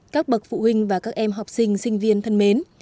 các bậc phụ huynh và các em học sinh sinh viên thân mến